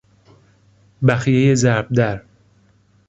بخیهی ضربدر